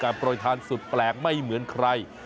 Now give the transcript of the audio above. โปรยทานสุดแปลกไม่เหมือนใคร